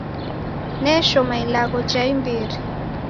Neshoma ilagho ja imbiri.